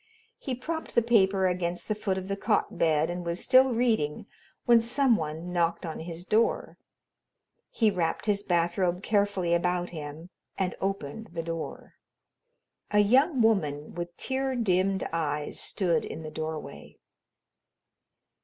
He propped the paper against the foot of the cot bed and was still reading when some one knocked on his door. He wrapped his bathrobe carefully about him and opened the door. A young woman with tear dimmed eyes stood in the doorway.